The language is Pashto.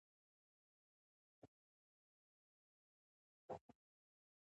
هغه چا چې علم زده کړی وي له نالوستي سره برابر نه دی.